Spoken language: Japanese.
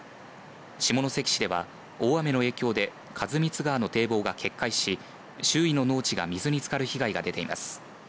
下関市では大雨の影響で員光川の堤防が決壊し周囲の農地が水につかる被害が出ています。